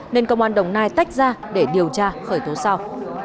để điều tra khởi tố sau